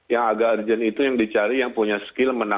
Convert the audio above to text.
yang agak urgent itu yang dicari yang punya skill menang